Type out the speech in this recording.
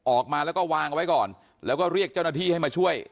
ออกมาแล้วก็วางเอาไว้ก่อนแล้วก็เรียกเจ้าหน้าที่ให้มาช่วย